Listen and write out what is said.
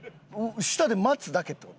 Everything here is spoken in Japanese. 下で待つだけって事？